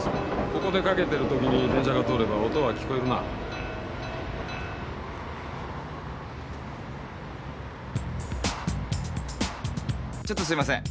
ここでかけてる時に電車が通れば音は聞こえるなちょっとすいません